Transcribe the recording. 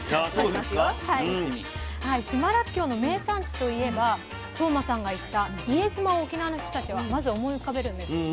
島らっきょうの名産地といえば當間さんが行った伊江島を沖縄の人たちはまず思い浮かべるんです。